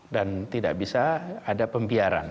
dan tidak bisa ada pembiaran